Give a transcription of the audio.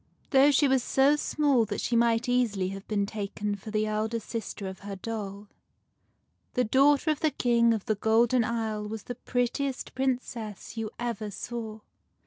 ¥ T HOUGH she was so small that she might easily have been taken for the elder sister of her doll, the daughter of the King of the Golden Isle was the prettiest Princess you ever saw.